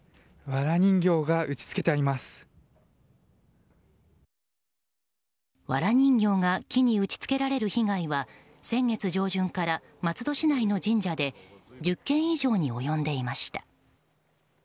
わら人形が木に打ち付けられる被害は先月上旬から松戸市内の神社で１０件以上に及んでいました。